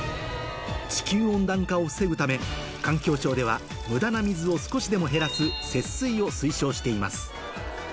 地球温暖化を防ぐため環境省では無駄な水を少しでも減らす節水を推奨しています